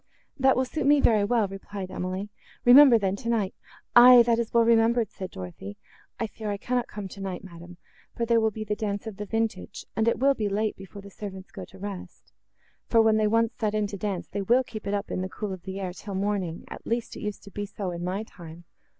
"That will suit me very well," replied Emily: "Remember, then, tonight—" "Aye, that is well remembered," said Dorothée, "I fear I cannot come tonight, madam, for there will be the dance of the vintage, and it will be late, before the servants go to rest; for, when they once set in to dance, they will keep it up, in the cool of the air, till morning; at least, it used to be so in my time."